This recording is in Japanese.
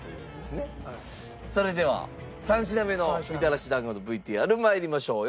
それでは３品目のみたらし団子のＶＴＲ参りましょう。